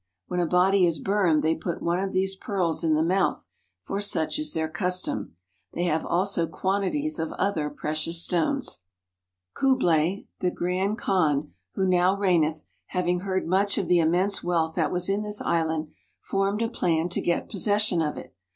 When a body is burned, they put one of these pearls in the mouth, for such is their custom.] They have also quantities of other precious stones. Cublay, the Grand Kaan, who now reigneth, having heard much of the immense wealth that was in this island, formed a plan to get possession of it.